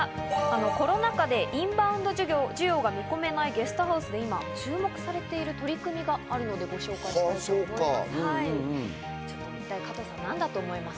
コロナ禍でインバウンド需要が見込めないゲストハウスで今、注目されている取り組みがあるのでご紹介したいと思います。